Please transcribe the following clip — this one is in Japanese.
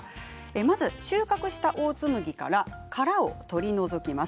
まず収穫したオーツ麦から殻を取り除きます。